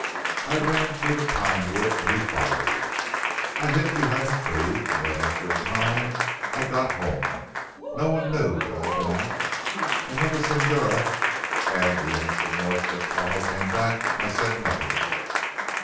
I ran through the pine wood, and he followed, I hid behind a tree, and then after a time I got home. No one knew that I had been out, and when the Signora and the young Signor Stefano came back I said nothing.